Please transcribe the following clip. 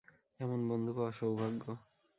এমন বন্ধু পাওয়া সৌভাগ্য।